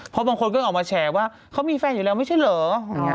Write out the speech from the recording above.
เพราะบางคนก็ออกมาแฉว่าเขามีแฟนอยู่แล้วไม่ใช่เหรอ